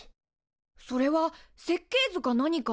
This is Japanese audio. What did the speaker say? それは設計図か何か？